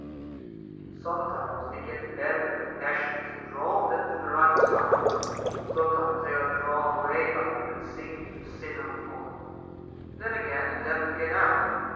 Sometimes they get the better of the passions, and draw them to the right side ; some times they are drawn away by them, and sink into sin and folly, and then again endeavor to get out.